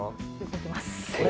動きます。